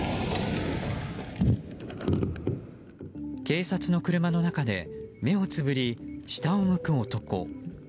警察の車の中で目をつぶり、下を向く男。